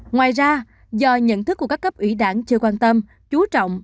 ngoài ra do nhận thức của các cấp ủy đảng chưa quan tâm chú trọng